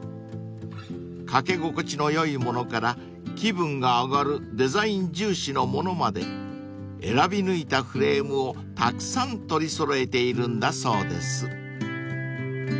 ［掛け心地の良いものから気分が上がるデザイン重視のものまで選び抜いたフレームをたくさん取り揃えているんだそうです］